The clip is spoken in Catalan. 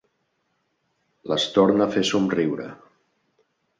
Les torna a fer somriure.